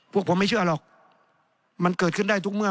พวกผมไม่เชื่อหรอกมันเกิดขึ้นได้ทุกเมื่อ